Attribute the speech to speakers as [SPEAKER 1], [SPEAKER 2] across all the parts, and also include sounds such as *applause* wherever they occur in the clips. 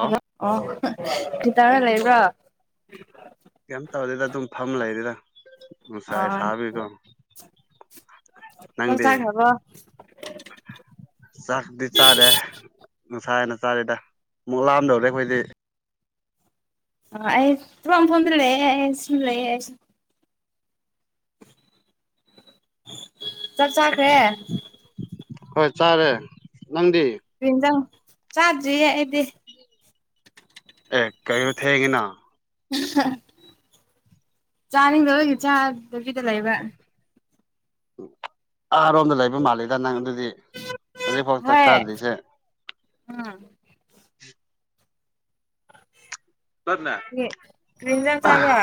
[SPEAKER 1] hello ꯑꯣ ꯒꯤꯇꯥꯅ ꯂꯩꯕ꯭ꯔꯣ
[SPEAKER 2] ꯀꯩꯝ ꯇꯧꯗꯦꯗ ꯑꯗꯨꯝ ꯐꯝ ꯂꯩꯔꯤꯗ ꯅꯨꯡꯁꯥꯏ
[SPEAKER 1] ꯑꯣ
[SPEAKER 2] ꯁꯥꯕꯤꯗꯣ
[SPEAKER 1] ꯆꯥꯛ ꯆꯈꯔ꯭ꯕꯥ
[SPEAKER 2] ꯆꯥꯛꯇꯤ ꯆꯥꯔꯦ ꯉꯅꯨꯡꯁꯥ ꯍꯥꯏꯅ ꯆꯥꯔꯤꯗ ꯑꯃꯨꯛ ꯂꯥꯑꯝꯗꯧꯗ ꯑꯩꯈꯣꯏꯗꯤ
[SPEAKER 1] ꯑ ꯑꯩ ꯊꯕꯛ ꯃꯐꯝ ꯗ ꯁꯤꯂꯦ ꯆꯥꯛ ꯆꯥꯈ꯭ꯔꯦ
[SPEAKER 2] ꯍꯣꯏ ꯆꯥꯔꯦ ꯅꯪꯗꯤ
[SPEAKER 1] ꯖ ꯆꯥꯗ꯭ꯔꯤꯌꯦ ꯑꯩꯗꯤ
[SPEAKER 2] ꯑꯦ ꯀꯩꯔ ꯊꯦꯡꯒꯦꯅ
[SPEAKER 1] ꯆꯥꯅꯤꯡꯗꯕꯣꯏꯒꯤ ꯆꯥꯗꯕꯤꯗ ꯂꯩꯕ
[SPEAKER 2] ꯑꯥꯔꯣꯝꯗ ꯂꯩꯕ ꯃꯥꯜꯂꯦꯗ ꯅꯪ ꯑꯗꯨꯗꯤ ꯍꯧꯖꯤꯛꯐꯥꯎ ꯆꯥꯛ
[SPEAKER 1] ꯍꯣꯏ
[SPEAKER 2] ꯆꯥꯗ꯭ꯔꯤꯁꯦ
[SPEAKER 1] ꯎꯝ
[SPEAKER 2] ꯇꯅꯦ
[SPEAKER 1] ꯀꯔꯤ ꯏꯟꯖꯥꯡ ꯆꯥꯕ꯭ꯔꯥ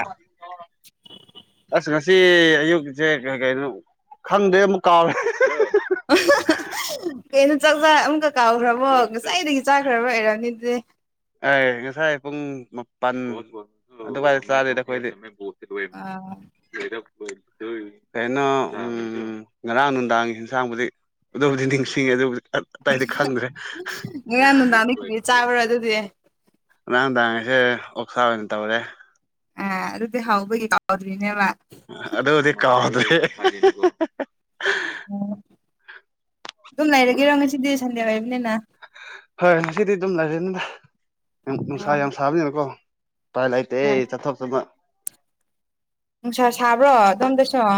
[SPEAKER 2] ꯑꯁ ꯉꯁꯤ ꯑꯌꯨꯛꯁꯦ ꯀꯩ ꯀꯩꯅꯣ ꯈꯪꯗ꯭ꯔꯦ ꯑꯃꯨꯛ ꯀꯥꯎꯔꯦ
[SPEAKER 1] ꯀꯩꯅꯣ ꯆꯥꯛ ꯆ ꯑꯃꯨꯛꯀ ꯀꯥꯎꯈ꯭ꯔꯕꯣ ꯉꯁꯥꯏꯗꯒꯤ ꯆꯥꯈ꯭ꯔꯕ ꯂꯩꯔꯕꯝꯅꯤ ꯑꯗꯨꯗꯤ
[SPEAKER 2] ꯑꯦ ꯉꯁꯥꯏ ꯄꯨꯡ ꯃꯥꯄꯜ ꯑꯗꯨꯏꯗ ꯆꯥꯗꯗ ꯑꯩꯈꯣꯏꯗꯤ
[SPEAKER 1] ꯑꯥ
[SPEAKER 2] *unintelligible* ꯀꯩꯅꯣ ꯎ ꯉꯔꯥꯡ ꯅꯨꯡꯗꯥꯡꯒꯤ ꯌꯦꯟꯁꯥꯡꯕꯨꯗꯤ ꯑꯗꯨꯕꯨꯗꯤ ꯅꯤꯡꯁꯤꯡꯉꯦ ꯑꯗꯨꯕꯨꯗꯤ ꯑꯇꯩꯗꯤ ꯈꯪꯗ꯭ꯔꯦ
[SPEAKER 1] ꯉꯔꯡ ꯅꯨꯃꯤꯗꯥꯟ ꯗꯤꯀꯔꯤ ꯆꯥꯕꯔꯥ
[SPEAKER 2] ꯉꯔꯥꯡꯗꯥꯥꯡꯁꯦ ꯑꯣꯛꯁꯥ ꯑꯣꯏꯅ ꯇꯧꯔꯦ
[SPEAKER 1] ꯑ ꯑꯗꯨꯗꯤ ꯍꯥꯎꯕꯒꯤ ꯀꯥꯎꯗ꯭ꯔꯤꯅꯦꯕ
[SPEAKER 2] ꯑꯗꯨꯗꯤ ꯀꯥꯎꯗ꯭ꯔꯦ
[SPEAKER 1] ꯑꯣ ꯑꯗꯨꯝ ꯂꯩꯔꯒꯦꯔꯣ ꯉꯁꯤꯗꯤ ꯁꯟꯗꯦ ꯑꯣꯏꯔꯕꯅꯤꯅ
[SPEAKER 2] ꯍꯣꯏ ꯉꯁꯤꯗꯤ ꯑꯗꯨꯝ ꯂꯩꯔꯅꯤꯗ ꯌꯥꯝ ꯅꯨꯡꯁꯥ
[SPEAKER 1] ꯑꯥ
[SPEAKER 2] ꯌꯥꯝ ꯁꯥꯕꯅꯦꯕꯀꯣ ꯇꯥꯏ ꯂꯩꯥꯏꯇꯦ
[SPEAKER 1] ꯍꯣꯏ
[SPEAKER 2] ꯆꯠꯊꯣꯛ ꯆꯠꯊ
[SPEAKER 1] ꯅꯨꯡꯁꯥ ꯁꯥꯕ꯭ꯔꯣ ꯑꯣꯝꯗꯁꯨꯣ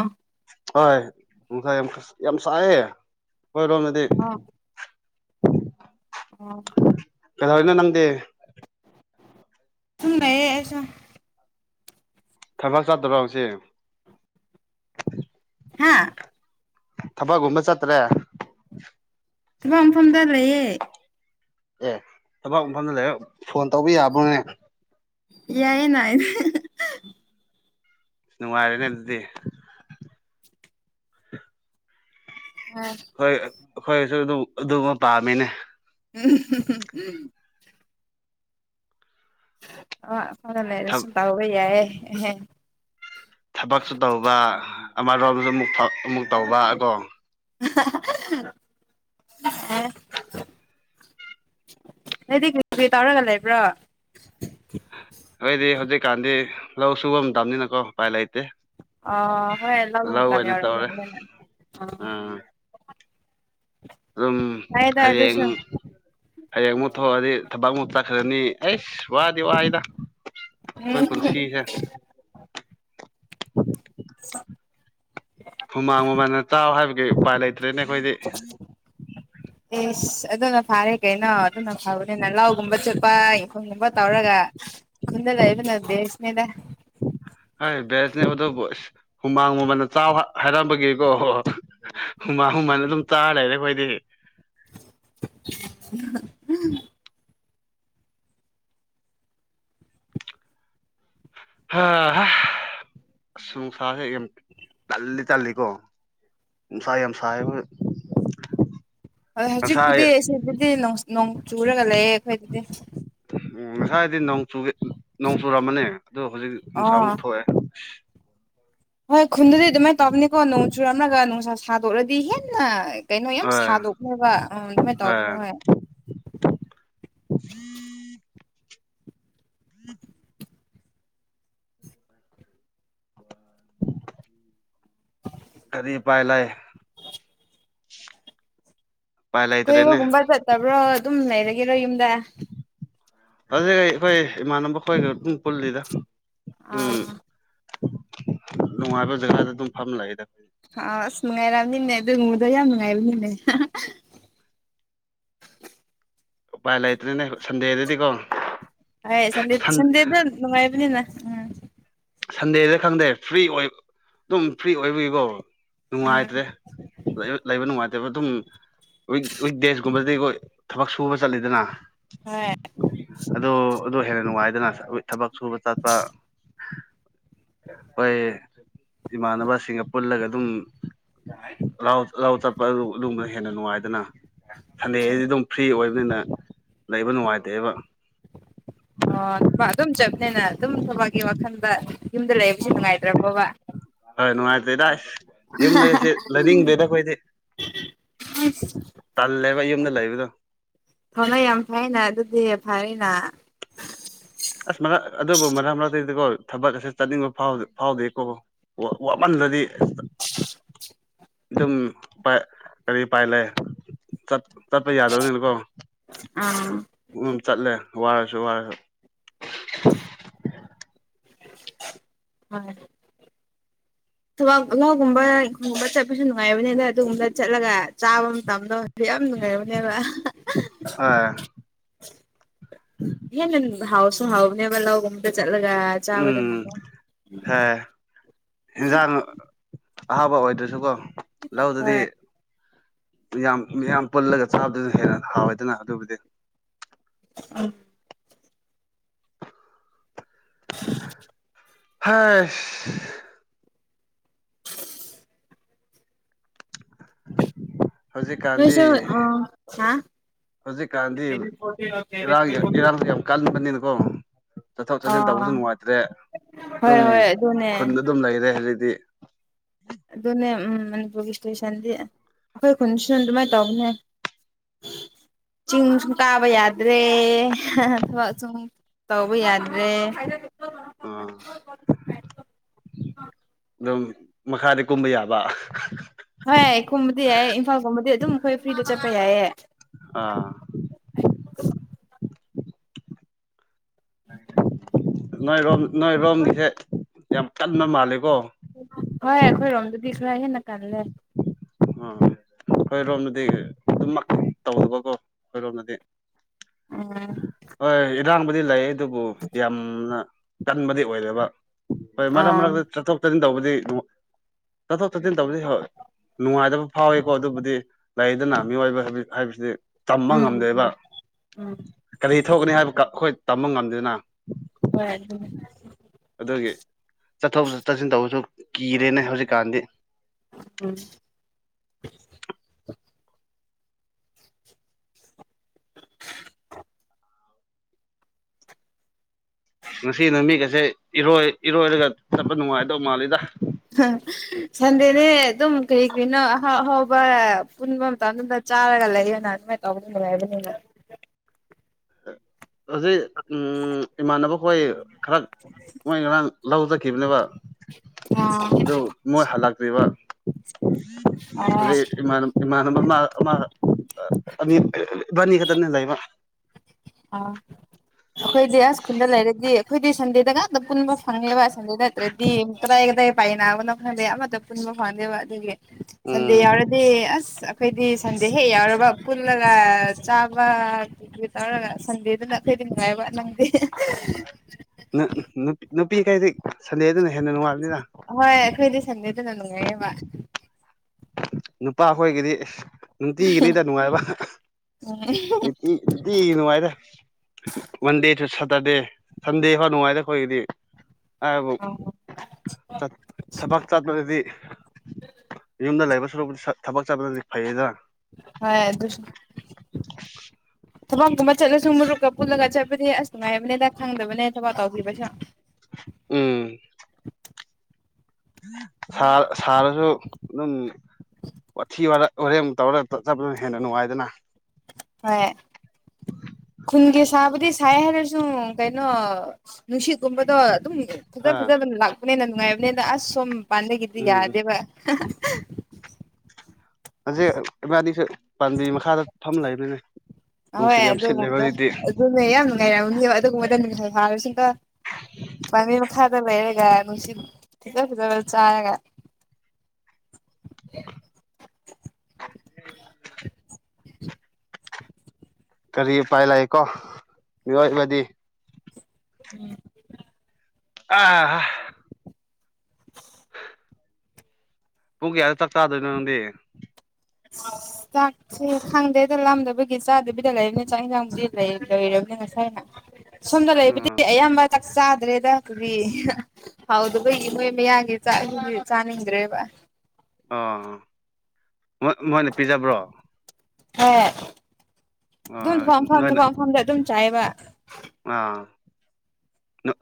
[SPEAKER 2] ꯍꯣꯏ ꯅꯨꯡꯁꯥꯏ ꯌꯥꯝ ꯌꯥꯝ ꯁꯥꯏꯌꯦ ꯑꯩꯈꯣꯏꯔꯣꯝꯗꯗꯤ
[SPEAKER 1] ꯑ ꯑꯣ
[SPEAKER 2] ꯀꯗ ꯏꯅꯣ ꯅꯪꯗꯦ
[SPEAKER 1] ꯊꯨꯡꯉꯌꯦ ꯑꯩꯁꯨ
[SPEAKER 2] ꯊꯕꯥꯛ ꯆꯥꯗꯕ꯭ꯔ ꯍꯧꯁꯦ
[SPEAKER 1] ꯍꯥꯦ
[SPEAKER 2] ꯊꯕꯛꯒꯨꯝꯕ ꯆꯠꯇ꯭ꯔꯦ
[SPEAKER 1] ꯊꯕꯛ ꯃꯐꯝꯗ ꯂꯩꯌꯦ
[SPEAKER 2] ꯑꯦ ꯊꯕꯛ ꯃꯐꯝꯗ ꯂꯩꯔ ꯐꯣꯟ ꯇꯧꯕ ꯌꯥꯕ꯭ꯔꯣꯅꯦ
[SPEAKER 1] ꯌꯥꯏ ꯅꯥ
[SPEAKER 2] ꯅꯨꯡꯉꯥꯏꯔꯦꯅꯦ ꯑꯗꯨꯗꯤ
[SPEAKER 1] ꯎꯥ
[SPEAKER 2] ꯍꯣꯏ ꯑꯩꯈꯣꯏꯁꯨ ꯑꯗꯨꯝ ꯑꯗꯨꯃ ꯄꯥꯝꯃꯤꯅꯦ
[SPEAKER 1] ꯎꯝ ꯎꯝ ꯑ
[SPEAKER 2] ꯊ
[SPEAKER 1] ꯐꯁꯨ ꯇꯕ ꯌꯥꯏ
[SPEAKER 2] ꯊꯕꯛꯁꯨ ꯇꯧꯕ ꯑꯃꯔꯣꯝꯁꯨ ꯑꯃꯨꯛ ꯑꯃꯨꯛ ꯇꯧꯕ ꯀꯣ
[SPEAKER 1] ꯑꯦ ꯅꯣꯏꯗ ꯀꯩꯀꯩ ꯇꯧꯔꯒ ꯂꯩꯕ꯭ꯔꯣ
[SPEAKER 2] ꯑꯩꯣꯏꯗꯤ ꯍꯧꯖꯤꯛꯀꯥꯟꯗꯤ ꯂꯧ ꯁꯨꯕ ꯃꯇꯝꯅꯤꯅꯥ ꯀꯑꯣ ꯎꯄꯥꯏ ꯂꯩꯇꯦ
[SPEAKER 1] ꯑ ꯍꯣꯏꯂ ꯑ
[SPEAKER 2] ꯂꯧ ꯑꯣꯏꯅ ꯇꯧꯔꯦ ꯑꯥ ꯑꯗꯨꯝ
[SPEAKER 1] ꯐꯩꯌꯦꯗ
[SPEAKER 2] ꯍꯌꯦꯡ
[SPEAKER 1] ꯑꯗꯨꯁꯨ
[SPEAKER 2] ꯍꯌꯦꯡꯃꯨꯛ ꯊꯣꯛꯑꯗꯤ ꯊꯕꯛ ꯑꯃꯨꯛ ꯆꯩ ꯈꯔꯅꯤ ꯑꯩꯁ ꯋꯥꯗꯤ ꯋꯥꯏꯗ ꯑꯩꯈꯣꯏ
[SPEAKER 1] ꯎꯝ
[SPEAKER 2] ꯄꯨꯟꯁꯤꯁꯦ
[SPEAKER 1] *inaudible*
[SPEAKER 2] ꯍꯨꯃꯥꯡ ꯃꯃꯜꯅ ꯆꯥꯎ ꯍꯥꯏꯕꯒꯤ ꯎꯄꯥꯏ ꯂꯩꯇ꯭ꯔꯦꯅꯦ ꯑꯩꯈꯣꯏꯗꯤ
[SPEAKER 1] *inaudible* ꯑꯦꯁ ꯑꯗꯨꯅ ꯐꯥꯔꯦ ꯀꯩꯅꯣ ꯑꯗꯨꯅ ꯐꯕꯅꯤꯅ ꯂꯧꯒꯨꯝꯕ ꯆꯠꯄ ꯌꯦꯡꯈꯣꯒꯨꯝꯕ ꯇꯧꯔꯒ ꯀꯨꯟꯂ ꯌꯦꯂ ꯅ ꯗꯦꯁꯅꯦꯗ
[SPEAKER 2] ꯍ ꯦꯁꯅꯦ ꯑꯗꯨ ꯁ ꯍꯨꯃꯥꯡ ꯃꯃꯜꯗ ꯆꯥꯎ ꯍꯥꯏꯔꯝꯕꯒꯤꯀꯣ ꯑꯣ ꯍꯨꯃꯥꯡ ꯍꯨꯃꯟ ꯑꯗꯨꯝ ꯇꯥꯔ ꯂꯩꯔꯦ ꯑꯩꯈꯣꯏꯗꯤ
[SPEAKER 1] *unintelligible*
[SPEAKER 2] ꯍꯥ ꯁꯨꯡꯅꯨꯡꯁꯥꯁꯦ ꯌꯥꯝ ꯇꯜꯂꯤ ꯇꯜꯂꯤꯀꯣ ꯅꯨꯟꯁꯥ ꯌꯥꯝ ꯁꯥꯥꯍꯦꯕ
[SPEAKER 1] ꯍꯣꯏ ꯍꯧꯖꯤꯛꯄꯨꯗꯤ ꯏꯕꯨꯗꯤ ꯅꯣꯡ ꯆꯨꯔꯒ ꯂꯩꯌꯦ ꯑꯩꯈꯣꯏꯗꯗꯤ
[SPEAKER 2] ꯎꯝ ꯉꯁꯥꯏꯗꯤ ꯅꯣꯡ ꯅꯣꯡ ꯆꯨꯨꯔꯝꯕꯅꯦ ꯑꯗꯨꯣ ꯍꯧꯖꯤꯛ
[SPEAKER 1] ꯑꯣ
[SPEAKER 2] ꯅꯨꯡꯁꯥꯃꯨꯛ ꯊꯣꯛꯑꯦ
[SPEAKER 1] ꯍꯣꯏ ꯈꯨꯟꯗꯗꯤ ꯑꯗꯨꯃꯩ ꯇꯞꯅꯤ ꯀꯣ ꯑꯅꯅꯨꯡ ꯆꯨ ꯔꯝ꯭ꯔꯥꯒꯅꯅꯨꯡꯁ ꯁꯥꯗꯣꯛꯔꯗꯤ ꯍꯦꯟ ꯅ ꯀꯩꯅꯣ ꯌꯥꯝ
[SPEAKER 2] ꯑꯦ
[SPEAKER 1] ꯁꯥꯗꯣꯛꯅꯦꯕ ꯑ ꯑꯗꯨꯃꯥꯏꯅ ꯇꯧꯕꯅꯦ
[SPEAKER 2] ꯑꯦ
[SPEAKER 1] ꯍꯣꯏ
[SPEAKER 2] ꯎ ꯎ ꯀꯔꯤ ꯄꯥꯏ ꯂꯩꯑ ꯎꯄꯥꯏ ꯂꯩꯇ꯭ꯔꯦꯅꯦ
[SPEAKER 1] ꯀꯣꯏꯕꯒꯨꯝꯕ ꯆꯠꯇꯕ꯭ꯔꯣ ꯑꯗꯨꯝ ꯂꯩꯔꯒꯦꯔꯣ ꯌꯨꯝꯗ
[SPEAKER 2] ꯑꯗꯨꯩ ꯑꯩꯈꯣꯏ ꯏꯃꯥꯟꯅꯕ ꯈꯣꯏꯒ ꯑꯗꯨꯝ ꯄꯨꯜꯂꯤꯗ ꯑꯗꯨꯝ
[SPEAKER 1] ꯑꯥ
[SPEAKER 2] ꯅꯨꯡꯉꯥꯏꯕ ꯖꯒꯥꯗ ꯑꯗꯨꯝ ꯐꯝ ꯂꯥꯛꯑꯦꯗ
[SPEAKER 1] ꯑ ꯑꯁ ꯅꯨꯡꯉꯥꯏꯔꯑꯅꯤꯅꯦ ꯑꯗꯨꯕꯗꯣ ꯌꯥꯝ ꯅꯨꯡꯉꯥꯏꯔꯕꯅꯤꯅꯦ
[SPEAKER 2] ꯎꯄꯥꯏ ꯂꯩꯇ꯭ꯔꯦꯅꯦ ꯁꯟꯗꯦꯗꯗꯤꯀꯣ
[SPEAKER 1] ꯍꯥꯏꯦ ꯁꯗꯦ ꯁꯟꯗꯦꯗ ꯅꯅꯨꯡꯉꯥꯏꯕꯅꯤꯅ
[SPEAKER 2] ꯁꯟꯗꯦꯗ ꯈꯪꯗꯦ ꯐ꯭ꯔꯤ ꯑꯣꯏ ꯑꯗꯨꯝ ꯐ꯭ꯔꯤ ꯑꯣꯏꯕꯤꯕꯣ
[SPEAKER 1] ꯎꯝ
[SPEAKER 2] ꯅꯨꯡꯉꯥꯏꯇ꯭ꯔꯦ ꯂꯩꯕ ꯅꯨꯡꯉꯥꯏꯇꯦ ꯑꯗꯨꯝ ꯋꯤꯛ ꯗꯦꯁꯀꯨꯝꯕꯁꯤꯗꯤ ꯑꯩꯈꯣꯏ ꯊꯕꯛ ꯁꯨꯕ ꯆꯠꯂꯤꯗꯅ
[SPEAKER 1] ꯍꯣꯏ
[SPEAKER 2] ꯑꯣ ꯑꯗꯨ ꯍꯦꯟꯅ ꯅꯨꯡꯉꯥꯏꯗꯅ ꯊꯕꯛ ꯁꯨꯕ ꯆꯠꯄ ꯑꯩꯣꯏ ꯏꯃꯥꯟꯅꯕꯁꯤꯡꯒ ꯄꯨꯜꯂꯒ ꯑꯗꯨꯝ ꯂꯍꯥꯎ ꯆꯠꯄ ꯑꯗꯨ ꯒꯨꯝꯕꯅꯥ ꯍꯦꯟꯅ ꯅꯨꯡꯉꯥꯏꯗꯅ ꯁꯟꯗꯦ ꯍꯥꯏꯗꯤ ꯑꯗꯨꯝ ꯐ꯭ꯔꯤ ꯑꯣꯏꯕꯅꯤꯅ ꯂꯩꯕ ꯅꯨꯡꯉꯥꯏꯇꯦꯕ
[SPEAKER 1] ꯑꯣ ꯊ ꯑꯗꯨꯝ ꯆꯞꯅꯦꯅ ꯑꯗꯨꯝ ꯊꯕꯛꯀꯤ ꯋꯥꯈꯜꯗ ꯌꯨꯝꯗ ꯂꯩꯕꯁꯤ ꯅꯨꯡꯉꯥꯏꯇ꯭ꯔꯕꯣꯕ
[SPEAKER 2] ꯍ ꯅꯨꯅꯨꯡꯉꯥꯏ ꯇꯗꯥ ꯌꯨꯝꯗꯁꯦ ꯂꯩꯅꯤꯡꯗꯦꯗ ꯑꯩꯈꯣꯏꯗꯤ ꯇꯜꯂꯦꯕ ꯌꯨꯝꯗ ꯂꯩꯕꯗꯣ
[SPEAKER 1] ꯊꯅ ꯌꯥꯝ ꯐꯩꯅꯦ ꯑꯗꯨꯗꯤ ꯐꯔꯤꯅ
[SPEAKER 2] ꯑꯁ ꯃꯔꯛ ꯑꯗꯨꯕꯨ ꯃꯔꯛ ꯃꯔꯛꯛꯇꯗꯤꯀꯣ ꯊꯕꯛ ꯑꯁꯦ ꯆꯠꯅꯤꯡꯕ ꯐꯥꯎꯗꯦꯀꯣ ꯋꯥꯃꯟꯗꯗꯤ ꯑꯗꯨꯝ ꯀꯔꯤ ꯄꯥꯏ ꯂꯩ ꯆꯠꯄ ꯌꯥꯗꯕꯅꯥꯅꯤꯀꯣ
[SPEAKER 1] ꯎꯝ
[SPEAKER 2] ꯎꯝ ꯆꯠꯂꯦ ꯋꯥꯔꯁꯨ ꯋꯥꯅ
[SPEAKER 1] ꯎꯝ ꯊꯕꯥꯛꯍꯒꯨꯝꯕ ꯏꯪꯈꯣꯡꯒꯨꯝꯕ ꯆꯠꯄꯁꯨ ꯅꯨꯡꯉꯥꯏꯕꯅꯤ ꯑꯗ ꯑꯗꯨꯒꯨꯝꯕ ꯆꯠꯂꯒ ꯆꯥꯕ ꯃꯇꯝꯗꯣ ꯑꯗꯨ ꯌꯥꯝ ꯅꯨꯡꯉꯥꯏꯔꯕꯅꯦꯕ
[SPEAKER 2] ꯑ
[SPEAKER 1] ꯍꯦꯟꯅ ꯍꯥꯎꯁꯨ ꯍꯥꯎꯕꯅꯦꯕ ꯂꯧꯒꯨꯝꯕꯗ ꯆꯠꯂꯒ ꯆꯥꯕꯗ ꯉ
[SPEAKER 2] ꯎꯝ ꯍꯦ ꯏꯟꯖꯥꯡ ꯑꯍꯥꯕ ꯑꯣꯏꯗ꯭ꯔꯁꯨꯀꯣ ꯂꯧꯗꯨꯗꯤ
[SPEAKER 1] ꯍꯣꯏ
[SPEAKER 2] ꯌꯥꯝ ꯌꯥꯝ ꯄꯨꯜꯂꯒ ꯆꯥꯕꯗꯨꯅ ꯍꯦꯟꯅ ꯍꯥꯎꯋꯦꯗꯅ ꯑꯗꯨꯕꯨꯗꯤ
[SPEAKER 1] ꯑ
[SPEAKER 2] ꯍꯁ ꯍꯧꯖꯤꯛꯀꯥꯟꯗꯤ
[SPEAKER 1] ꯅꯣꯏꯁꯨ ꯑ ꯍꯥ
[SPEAKER 2] ꯍꯧꯖꯤꯛꯀꯥꯟꯗꯤ ꯏꯔꯥꯡ ꯏꯔꯥꯡꯁꯨ ꯌꯥꯝ ꯀꯟꯕꯅꯤꯅꯀꯣ ꯆꯠꯊꯣꯛ ꯆꯠꯁꯤꯟ ꯇꯧꯕꯁꯨ
[SPEAKER 1] ꯑꯥ
[SPEAKER 2] ꯅꯨꯡꯉꯥꯏꯇ꯭ꯔꯦ
[SPEAKER 1] ꯍꯣꯏ
[SPEAKER 2] ꯑꯗꯨꯝ
[SPEAKER 1] ꯍꯣꯏ ꯑꯗꯨꯅꯦ
[SPEAKER 2] ꯈꯨꯟꯗ ꯑꯗꯨꯝ ꯂꯩꯔꯦ ꯍꯧꯖꯤꯛꯇꯗꯤ
[SPEAKER 1] ꯑꯗꯨꯅꯦꯝ ꯃꯅꯤꯄꯨꯔꯒꯤ ꯏꯁꯇꯦꯁꯟꯗꯤ ꯑꯩꯈꯣꯏ ꯈꯨꯟꯁꯨ ꯑꯗꯨꯃꯥꯏꯅ ꯇꯧꯕꯅꯦ ꯆꯤꯡ ꯁꯨꯝ ꯀꯥꯕ ꯌꯥꯗ꯭ꯔꯦ ꯑ ꯊꯕꯛ ꯁꯨꯝ ꯇꯧꯕ ꯌꯥꯗ꯭ꯔꯦ
[SPEAKER 2] ꯑꯥ ꯑꯗꯨꯝ ꯃꯈꯥꯗꯤ ꯀꯨꯝꯕ ꯌꯥꯕ
[SPEAKER 1] ꯍꯣꯏ ꯑꯩ ꯀꯨꯝꯕꯗꯤ ꯌꯥꯏꯌꯦ ꯏꯝꯐꯥꯜꯒꯨꯝꯕꯗꯤ ꯑꯗꯨꯝ ꯑꯩꯈꯣꯏ ꯐ꯭ꯔꯤꯗ ꯆꯠꯄ ꯌꯥꯏꯌꯦꯦ
[SPEAKER 2] ꯑꯥ
[SPEAKER 1] ꯎꯝ
[SPEAKER 2] ꯅꯣꯏꯔꯣꯝ ꯅꯣꯏꯔꯣꯝꯒꯤꯁꯦ ꯌꯥꯝ ꯀꯟꯅ ꯃꯥꯜꯂꯀꯣ
[SPEAKER 1] ꯍꯣꯏ ꯑꯩꯈꯣꯏꯔꯣꯝꯗꯗꯤ ꯈꯔ ꯍꯦꯟꯅ ꯀꯜꯂꯦ
[SPEAKER 2] ꯑꯩꯈꯣꯏꯔꯣꯝꯅꯗꯤ ꯑꯗꯨꯝꯃꯛ ꯇꯧꯒꯀꯣ ꯑꯩꯈꯣꯏꯔꯣꯝꯅꯗꯤ
[SPEAKER 1] ꯎꯝ
[SPEAKER 2] ꯍꯣꯏ ꯏꯔꯥꯡꯕꯨꯗꯤ ꯂꯩ ꯑꯗꯨꯕꯨ ꯌꯥꯝꯅ ꯀꯟꯕꯗꯤ ꯑꯣꯏꯔꯦꯕ ꯍꯣꯏ ꯃꯔꯛ
[SPEAKER 1] ꯑꯥ ꯎꯝ
[SPEAKER 2] ꯃꯔꯛꯇ ꯆꯥꯊꯣꯛ ꯇꯠꯁꯤꯟ ꯇꯧꯕꯗꯤ ꯆꯠꯊꯣꯛ ꯇꯠꯁꯤꯟ ꯇꯧꯕꯗꯤ ꯍ ꯅꯨꯡꯉꯥꯏꯇꯕ ꯐꯥꯎꯋꯤ ꯀꯣ ꯑꯗꯨꯕꯨꯗꯤ ꯂꯩꯗꯅ ꯃꯤꯑꯣꯏꯕ ꯍꯥꯏꯕꯁꯤꯗꯤ ꯇꯝꯕ ꯉꯝꯗꯦꯕ
[SPEAKER 1] ꯎꯝ ꯎꯝ
[SPEAKER 2] ꯀꯔꯤ ꯊꯣꯛꯒꯅꯤ ꯍꯥꯏꯕ ꯑꯩꯈꯣꯏ ꯇꯝꯕ ꯉꯝꯗꯦꯗꯅ
[SPEAKER 1] ꯍꯣꯏꯝ
[SPEAKER 2] ꯑꯗꯨꯒꯤ ꯆꯠꯊꯣꯛꯠ ꯆꯠꯁꯤꯟ ꯇꯧꯕꯁꯨ ꯀꯤꯔꯦꯅꯦ ꯍꯧꯖꯤꯛꯀꯥꯟꯗꯤ
[SPEAKER 1] ꯎꯝ
[SPEAKER 2] ꯉꯁꯤ ꯅꯨꯃꯤꯒꯁꯦ ꯏꯔꯣꯏ ꯏꯔꯣꯏꯔꯒ ꯆꯠꯄ ꯅꯨꯡꯉꯥꯏꯗꯧ ꯃꯥꯜꯂꯤꯗ
[SPEAKER 1] ꯁꯟꯗꯦꯅꯦ ꯑꯗꯨꯝ ꯀꯩ ꯀꯅꯣ ꯑꯍꯥꯎ ꯑꯍꯥꯎꯕ ꯄꯨꯟꯕ ꯃꯇꯝꯗ ꯆꯥꯔꯒ ꯂꯩ ꯑꯣꯏꯅꯅꯥ ꯃ ꯇꯧꯅꯨꯡꯉꯕ
[SPEAKER 2] ꯍꯧꯖꯤꯛ ꯎꯝ ꯏꯃꯥꯟꯅꯕ ꯍꯣꯏ ꯈꯔ
[SPEAKER 1] *inaudible*
[SPEAKER 2] ꯃꯣꯏ ꯉꯔꯥꯡ ꯂꯧꯖꯈꯤꯕꯅꯦꯕ
[SPEAKER 1] ꯑꯥ
[SPEAKER 2] ꯃꯣꯏ ꯍꯜꯂꯛꯇ꯭ꯔꯤꯕ
[SPEAKER 1] ꯑꯥ
[SPEAKER 2] ꯑꯗꯩ ꯏꯃꯥꯟꯅꯕ ꯑꯃ ꯑꯃ ꯑ ꯅꯤ ꯈꯗꯅꯤ ꯂꯩꯕ
[SPEAKER 1] ꯑꯥ ꯑꯩꯈꯣꯏꯗꯤ ꯑꯁ ꯈꯨꯨꯜꯗ ꯂꯩꯔꯗꯤ ꯑꯩꯈꯣꯏꯗꯤ ꯁꯟꯗꯦꯗꯒ ꯄꯨꯟꯕ ꯐꯪꯉꯦꯕꯁꯗꯗꯠꯇ꯭ꯔꯦꯗꯤ ꯀꯗꯥꯗ ꯄꯥꯏ ꯅꯅꯥ ꯅ ꯈꯋꯥꯗꯦ ꯌꯥꯝ ꯃꯗ ꯄꯨꯃ ꯈꯋꯥꯗꯦꯕ ꯑꯗꯨꯦ ꯁꯟꯗꯦ
[SPEAKER 2] ꯎꯝ
[SPEAKER 1] ꯌꯥꯎꯔꯗꯤ ꯑꯁ ꯑꯩꯈꯣꯏꯗꯤ ꯁꯟꯗꯦ ꯍꯦꯛ ꯌꯥꯎꯔꯕ ꯄꯨꯜꯂꯒ ꯇꯧꯔꯒ ꯁꯟꯗꯦꯗꯅꯈꯇꯩꯗꯤ ꯅꯨꯡꯉꯥꯏꯕ ꯅꯪꯗꯦ
[SPEAKER 2] ꯅꯨꯄꯤꯈꯩꯗꯤ ꯁꯟꯗꯦꯗꯨꯅ ꯍꯦꯟꯅ ꯅꯨꯡꯉꯥꯏꯕꯅꯤꯅ
[SPEAKER 1] ꯍꯣꯏ ꯑꯩꯈꯣꯏꯗꯤ ꯁꯟꯗꯦꯗꯅ ꯅꯨꯡꯉꯥꯏꯌꯦꯕ
[SPEAKER 2] ꯅꯨꯄꯥ ꯈꯈꯣꯏꯒꯤꯗꯤ ꯅꯨꯡꯇꯤꯒꯤꯅꯤꯗ ꯅꯨꯡꯉꯥꯏꯕ ꯏꯗꯤꯤ ꯅꯨꯡꯉꯥꯏꯗ ꯃꯟꯗꯦꯁꯨ ꯁꯇꯔꯗꯦ ꯁꯟꯗꯦ ꯈꯔ ꯅꯨꯡꯉꯥꯏꯔꯦ ꯑꯩꯈꯣꯏꯒꯤꯗꯤ ꯍꯥꯏꯕꯨ ꯊꯕꯛ ꯆꯠꯄꯗꯗꯤ ꯌꯨꯝꯗ ꯂꯩꯕ ꯁꯨꯔꯨꯕꯨꯗꯤ ꯊꯕꯛ ꯆꯥꯕꯗꯗꯤ ꯐꯩꯌꯦꯗ
[SPEAKER 1] ꯍꯣꯏ ꯑꯗꯨ ꯊꯕꯛꯀꯨꯝꯃ ꯆꯠꯂꯁꯨ ꯃꯔꯨꯞꯀ ꯄꯨꯜꯂꯒ ꯆꯠꯄꯅꯦ ꯑꯁ ꯅꯨꯡꯉꯥꯏꯕꯅꯤꯗ ꯈꯪꯗꯕꯅꯦ ꯊꯕꯛ ꯇꯧꯈꯤꯕꯁꯨ
[SPEAKER 2] ꯎꯝ ꯁꯥꯔꯁꯨ ꯑꯗꯨꯝ ꯋꯥꯊꯤ ꯋꯥꯔꯦꯝ ꯇꯧꯔꯒ ꯆꯠꯗꯨꯅ ꯍꯦꯟꯅ ꯅꯨꯡꯉꯥꯏꯗꯅ
[SPEAKER 1] ꯍ ꯈꯨꯟꯒꯦ ꯆꯥꯕꯨꯗꯤ ꯁꯥꯏ ꯍꯥꯏꯦꯔꯣꯏꯁꯨꯨꯡ ꯀꯩꯅꯅ ꯀꯩꯅ ꯅꯨꯡꯁꯤꯠꯀꯨꯝꯕꯗꯣ ꯑꯗꯨꯝ ꯐꯖ
[SPEAKER 2] ꯑ
[SPEAKER 1] ꯐꯖꯕꯅ ꯂꯥꯛꯄꯅꯦꯅ ꯅꯨꯡꯉꯥꯏꯕꯅꯤꯅ ꯑꯁ ꯁꯣꯝ ꯄꯥꯟꯗ ꯀꯗꯤ
[SPEAKER 2] ꯎꯝ
[SPEAKER 1] ꯌꯥꯗꯦꯕ
[SPEAKER 2] ꯍꯧꯁꯛ ꯏꯕꯥꯗꯤꯁꯨ ꯄꯥꯝꯕꯤ ꯃꯈꯥꯗ ꯐꯝ ꯂꯩꯕꯅꯤꯅꯦ
[SPEAKER 1] ꯍꯣꯏ
[SPEAKER 2] ꯅꯨꯡꯁꯤꯠ ꯌꯥꯝ ꯁꯤꯠꯂꯦꯕ
[SPEAKER 1] ꯑꯗꯨꯒꯨꯝꯕ
[SPEAKER 2] ꯍꯧꯖꯤꯛꯇꯤ
[SPEAKER 1] ꯑꯗꯨꯅꯦ ꯌꯥꯝ ꯅꯨꯡꯉꯥꯏꯔꯝꯅꯦꯕ ꯑꯗꯨꯒꯨꯝꯕꯗ ꯃꯤꯈꯥꯏ ꯐꯥꯔꯁꯨꯀ ꯄꯅꯤꯔ ꯈꯥꯗꯕꯔꯦꯒ ꯅꯨꯡꯁꯤ ꯊ ꯆ ꯆꯥꯒ
[SPEAKER 2] ꯀꯔꯤ ꯄꯥꯏ ꯂꯥꯛꯑꯦꯀꯣ ꯃꯤꯑꯣꯏꯕꯗꯤ
[SPEAKER 1] ꯎꯝ
[SPEAKER 2] ꯑꯥ ꯄꯨꯡ ꯀꯌꯥꯗ ꯆꯥꯛ ꯆꯥꯗꯣꯏꯅꯣ ꯅꯪꯗꯤ
[SPEAKER 1] ꯆꯥꯛ ꯁꯤ ꯈꯪꯗꯦꯗ ꯂꯥꯝꯗꯕꯒꯤ ꯆꯥꯗꯕꯤꯗ ꯂꯩꯔꯕꯅꯤ ꯆꯥꯛ ꯌꯦꯟꯁꯥꯡꯕꯨꯗꯤ ꯂꯩꯣꯏꯔꯕꯅꯦ ꯉꯁꯥꯏꯅ ꯁꯣꯝꯗ ꯂꯩꯕꯨꯗꯤ
[SPEAKER 2] ꯑ
[SPEAKER 1] ꯑꯌꯥꯝꯕ ꯆꯥꯛ ꯆꯥꯗ꯭ꯔꯦꯗ ꯀꯗꯤ ꯍꯥꯎꯗꯕꯩꯒꯤ ꯃꯣꯏ ꯃꯌꯥꯒꯤ ꯆꯥꯅꯤꯡꯗ꯭ꯔꯦꯕ
[SPEAKER 2] ꯑꯥ ꯃꯣꯏ ꯃꯣꯏꯅ ꯄꯤꯖꯕ꯭ꯔꯣ
[SPEAKER 1] ꯍꯣꯏ ꯑꯗꯨꯝ ꯐꯝꯐꯝ
[SPEAKER 2] ꯅꯣꯏꯅ
[SPEAKER 1] ꯊꯐꯝꯝꯐꯝꯗ ꯑꯗꯨꯝ ꯆꯥꯏꯕ
[SPEAKER 2] ꯑꯥ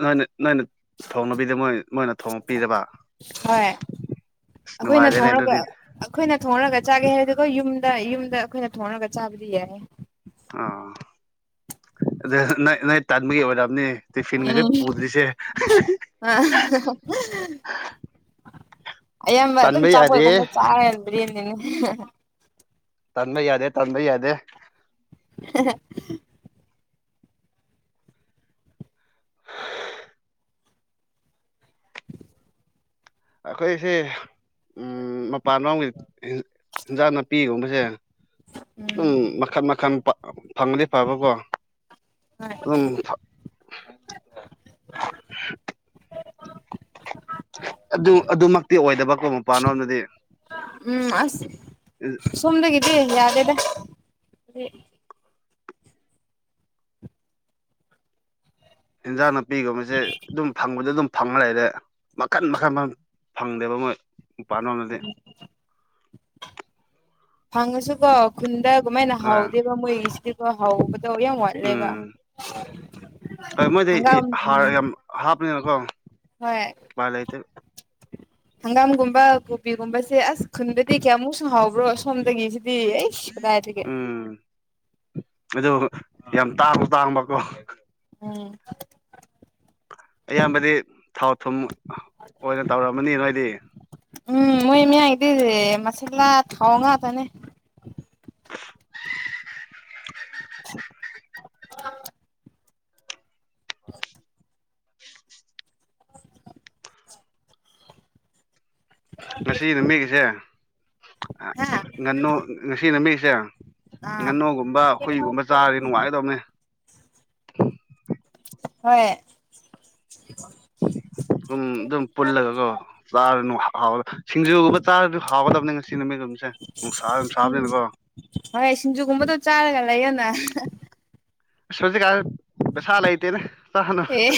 [SPEAKER 2] ꯅꯅꯦ ꯅꯅꯦ ꯊꯣꯡꯅꯕꯤꯗ ꯃꯣꯏ ꯃꯣꯏꯅ ꯊꯣꯡꯉꯄꯤꯗꯕ
[SPEAKER 1] ꯍꯣꯏ ꯑꯩꯈꯣꯏꯅ ꯊꯣꯡꯉꯒ ꯑꯩꯈꯣꯏꯅ ꯊꯣꯡꯉꯔꯒ ꯆꯥꯒꯦ ꯍꯥꯏꯔꯗꯤꯣ ꯌꯨꯝ ꯗ ꯌꯨꯝꯗ ꯑꯩꯈꯣꯏꯅ ꯊꯣꯡꯉꯒ ꯆꯥꯕꯗꯤ ꯌꯥꯏ
[SPEAKER 2] ꯑꯥ ꯑꯗꯨ ꯅꯣꯏ ꯅꯣꯏ ꯇꯥꯟꯕꯒꯤ ꯑꯣꯏꯔꯝꯅꯤ ꯇꯤꯐꯤꯟꯒꯁꯦ
[SPEAKER 1] ꯎꯝ
[SPEAKER 2] ꯄꯨꯗ꯭ꯔꯤꯁꯦ
[SPEAKER 1] ꯑ ꯑꯌꯥꯝꯕ ꯑꯗꯨꯝ
[SPEAKER 2] ꯇꯟꯕ ꯌꯥꯗꯦ
[SPEAKER 1] ꯆꯥꯐꯣꯏꯠꯒꯨꯝꯕ ꯆꯥꯏ ꯕꯤꯔꯌꯥꯅꯤꯅ
[SPEAKER 2] ꯇꯕ ꯌꯥꯗꯦ ꯇꯥꯟꯗ ꯌꯥꯗꯦ
[SPEAKER 1] *unintelligible* ꯑ *inaudible*
[SPEAKER 2] ꯑꯩꯈꯣꯏꯁꯦ ꯃꯄꯥꯟ ꯂꯎꯒꯤ ꯏꯟꯖꯥꯡ ꯅꯥꯄꯤꯒꯨꯝꯕꯁꯦ ꯎꯝ ꯃꯈꯟ ꯃꯈꯟ ꯐꯪꯗꯤ ꯐꯕꯀꯣ
[SPEAKER 1] ꯍꯣꯏ
[SPEAKER 2] ꯑꯗꯨꯝ
[SPEAKER 1] *inaudible*
[SPEAKER 2] ꯑꯗꯨ ꯑꯗꯨꯃꯛꯇꯤ ꯑꯣꯏꯗꯕꯀꯣ ꯃꯄꯥꯟꯅꯣꯝꯗꯗꯤ
[SPEAKER 1] ꯎꯝ ꯑꯁ ꯁꯣꯝꯗꯒꯤꯗꯤ ꯌꯥꯒꯦꯗ ꯎ
[SPEAKER 2] ꯏꯟꯖꯥꯡ ꯅꯥꯄꯤꯒꯨꯝꯕꯁꯦ ꯑꯗꯨꯝ ꯐꯪꯕꯗ ꯑꯗꯨꯝ ꯐꯪꯉ ꯂꯩꯔꯦ ꯃꯈꯟ ꯃꯈꯟ ꯃꯈ ꯐꯪꯗꯦꯕ ꯃꯣꯏ ꯃꯄꯥꯟꯗꯗꯤ
[SPEAKER 1] ꯐꯪꯉꯁꯨ ꯀ ꯈꯨꯟꯗ ꯀꯃꯥꯏꯅ
[SPEAKER 2] ꯍꯣꯏ
[SPEAKER 1] ꯍꯥꯎꯗꯦꯕ ꯃꯣꯏꯒꯤꯁꯤꯗꯤꯀꯣ ꯍꯧꯕꯗꯣ ꯌꯥꯝ ꯋꯥꯠꯂꯦꯕ
[SPEAKER 2] ꯎꯝ ꯍꯣꯏ ꯃꯣꯏꯗꯤ
[SPEAKER 1] ꯍ
[SPEAKER 2] ꯍꯥꯔ ꯌꯥꯝ ꯍꯥꯞꯄꯅꯤꯅꯀꯣ
[SPEAKER 1] ꯍꯣꯏ
[SPEAKER 2] ꯎꯄꯥꯏ ꯂꯩꯇꯦ
[SPEAKER 1] ꯍꯪꯒꯥꯝꯒꯨꯝꯕ ꯀꯣꯕꯤꯒꯨꯝꯕꯁꯦ ꯑꯁ ꯈꯨꯟꯗꯗꯤ ꯀꯌꯥꯃꯨꯛ ꯁꯪꯍꯥꯎꯕ꯭ꯔꯣ ꯁꯣꯝꯗꯒꯤ ꯀꯥꯏ
[SPEAKER 2] ꯎꯝ ꯑꯗꯨ ꯌꯥꯝ ꯇꯥꯡꯕꯁꯨ ꯇꯥꯡꯕꯀꯣ
[SPEAKER 1] ꯎꯝ
[SPEAKER 2] ꯑꯌꯥꯝꯕꯗꯤ ꯊꯥꯎ ꯊꯨꯝ ꯑꯣꯏꯅ ꯇꯧꯔꯝꯃꯅꯤ ꯅꯣꯏꯗꯤ
[SPEAKER 1] ꯎꯝ ꯃꯣꯏ ꯏꯃꯤ ꯌꯥ ꯏꯗꯤꯁꯦ ꯃꯁꯥ ꯊꯥꯎꯉꯥ ꯇꯅꯦ *unintelligible*
[SPEAKER 2] ꯉꯁꯤ ꯅꯨꯃꯤꯠꯒꯤꯁꯦ
[SPEAKER 1] ꯍꯥ
[SPEAKER 2] ꯉꯟꯅꯨ ꯉꯁꯤ ꯅꯨꯃꯤꯠꯒꯤꯁꯦ
[SPEAKER 1] ꯑꯥ
[SPEAKER 2] ꯉꯥꯟꯅꯨꯒꯨꯝꯕ ꯍꯨꯏꯒꯨꯝꯕ ꯆꯥꯔꯗꯤ ꯅꯨꯡꯉꯥꯏꯒꯗꯧꯅꯦ
[SPEAKER 1] ꯍꯣꯏ
[SPEAKER 2] ꯎ ꯑꯗꯨꯝ ꯄꯨꯜꯂꯒꯀꯣ ꯆꯥꯔꯅ ꯍ ꯁꯤꯡꯖꯨꯒꯨꯝꯕ ꯆꯥꯔꯁꯨ ꯍꯥꯎꯒꯗꯕꯅꯤ ꯉꯁꯤ ꯅꯨꯃꯤꯠ ꯑꯗꯨꯝ
[SPEAKER 1] ꯎꯝ ꯍꯣꯏ ꯁꯤꯡꯖꯨꯒꯨꯝꯕꯗꯣ ꯆꯥꯔꯒ ꯂꯩꯌꯣꯅ
[SPEAKER 2] ꯁꯣꯖꯤ ꯀ ꯄꯩꯁꯥ ꯂꯩꯇꯦꯅꯦ ꯁꯅ
[SPEAKER 1] ꯑꯦ